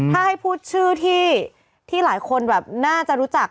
ถ้าให้พูดชื่อที่หลายคนแบบน่าจะรู้จัก